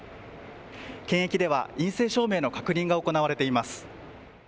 検疫では陰性証明の確認が行われています。